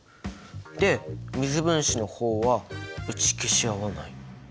で水分子の方は打ち消し合わない？